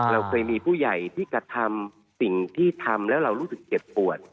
เราเคยมีผู้ใหญ่ที่กระทำสิ่งที่ทำแล้วเรารู้สึกเจ็บปวด